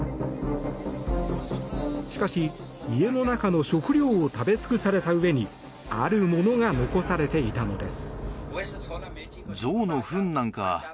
しかし、家の中の食料を食べつくされたうえにあるものが残されていたのです。